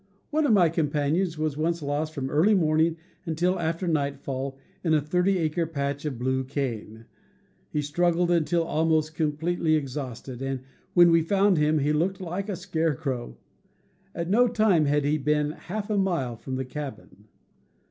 One of my companions was once lost from early morning until after nightfall in a thirty acre patch of blue cane. He struggled until almost completely exhausted, and when we found him he looked like a scarecrow. At no time had he been half a mile from the cabin.